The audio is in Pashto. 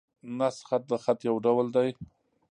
نسخ خط؛ د خط یو ډول دﺉ.